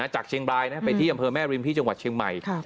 จากเชียงบรายไปที่อำเภอแม่ริมที่จังหวัดเชียงใหม่